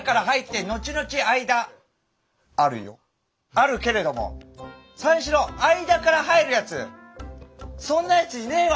あるけれども三四郎相田から入るやつそんなやついねぇわ！